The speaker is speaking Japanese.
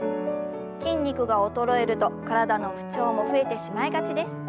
筋肉が衰えると体の不調も増えてしまいがちです。